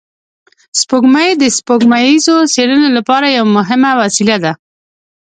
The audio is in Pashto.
سپوږمۍ د سپوږمیزو څېړنو لپاره یوه مهمه وسیله ده